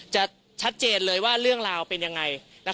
ชัดเจนเลยว่าเรื่องราวเป็นยังไง